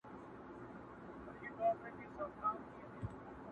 • دلته قرباني د انسان په توګه نه بلکي د شرم د پاکولو وسيله ګرځي,